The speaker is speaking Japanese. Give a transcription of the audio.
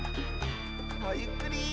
ゆっくり！